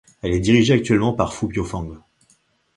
Elle est dirigée actuellement par Foo Piau Phang.